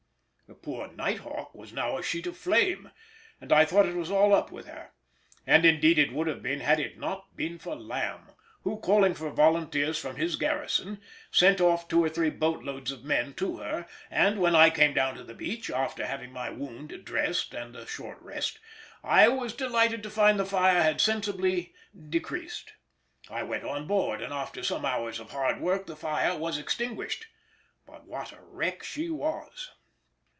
The poor Night Hawk was now a sheet of flame, and I thought it was all up with her; and indeed it would have been had it not been for Lamb, who, calling for volunteers from his garrison, sent off two or three boat loads of men to her, and when I came down to the beach, after having my wound dressed and a short rest, I was delighted to find the fire had sensibly decreased. I went on board, and after some hours of hard work the fire was extinguished. But what a wreck she was!